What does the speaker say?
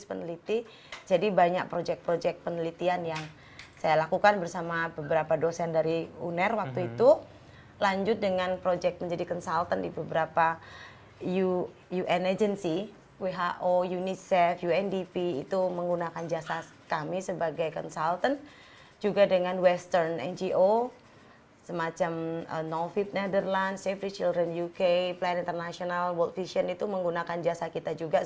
pertanyaan terakhir bagaimana penyelesaian yayasan ini